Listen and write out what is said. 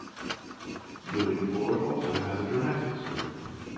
Willie Ford also has a Dramatics group.